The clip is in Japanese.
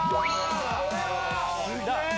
・すげえ！